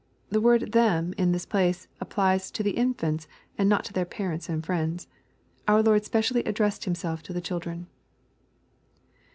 ] The word " them" in this place applies to the infants, and not to their parents and friends. Our Lord specially addressed Himself to the children.